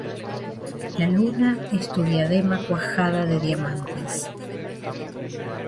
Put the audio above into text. La luna es tu diadema cuajada de diamantes.